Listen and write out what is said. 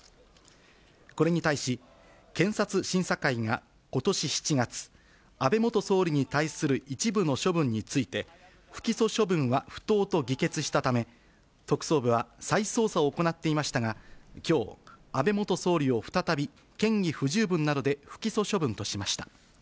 これに対し、検察審査会がことし７月、安倍元総理に対する一部の処分について、不起訴処分は不当と議決したため、特捜部は再捜査を行っていましたが、きょう、安倍元総理を再び嫌疑不十分などで不起訴処分としました。